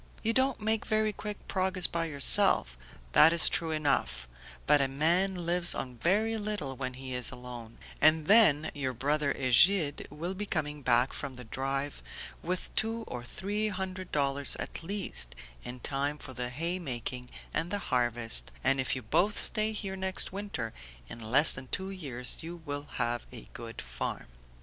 "You don't make very quick progress by yourself, that is true enough, but a man lives on very little when he is alone, and then your brother Egide will be coming back from the drive with two or three hundred dollars at least, in time for the hay making and the harvest, and, if you both stay here next winter, in less than two years you will have a good farm."